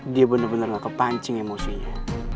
dia bener bener ga kepancing emosinya